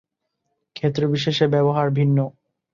ক্ষেত্র বিশেষে ব্যবহার ভিন্ন।